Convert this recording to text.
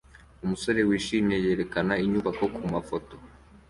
Umusore wishimye yerekana inyubako kumafoto